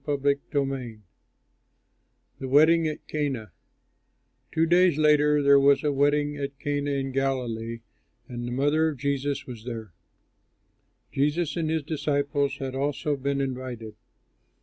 Zimmerman] THE WEDDING AT CANA Two days later there was a wedding at Cana in Galilee; and the mother of Jesus was there. Jesus and his disciples had also been invited.